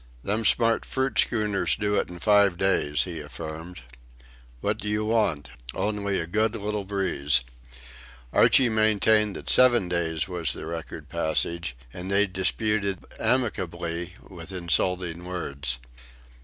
"Them smart fruit schooners do it in five days," he affirmed. "What do you want? only a good little breeze." Archie maintained that seven days was the record passage, and they disputed amicably with insulting words.